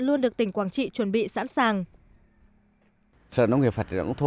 luôn được tỉnh quảng trị chuẩn bị sẵn sàng